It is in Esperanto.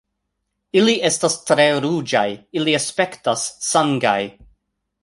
"Ili estas tre ruĝaj. Ili aspektas sangaj."